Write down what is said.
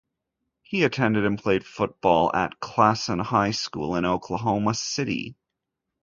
He attended and played football at Classen High School in Oklahoma City.